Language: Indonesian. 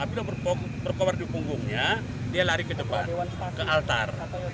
api itu berpobar di punggungnya dia lari ke depan ke altar